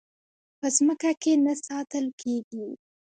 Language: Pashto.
په ځمکه کې نه ساتل کېږي.